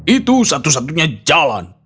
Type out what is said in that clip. itu satu satunya jalan